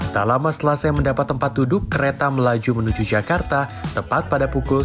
tak lama setelah saya mendapat tempat duduk kereta melaju menuju jakarta tepat pada pukul sepuluh